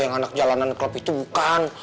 yang anak jalanan klub itu bukan